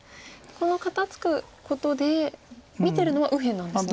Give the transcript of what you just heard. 肩ツクことで見てるのは右辺なんですね？